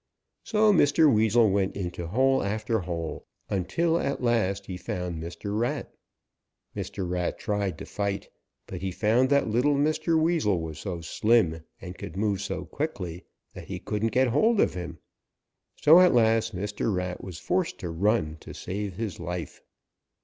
So Mr. Weasel went into hole after hole until at last he found Mr. Rat. Mr. Rat tried to fight, but he found that little Mr. Weasel was so slim and could move so quickly that he couldn't get hold of him. So at last Mr. Rat was forced to run to save his life.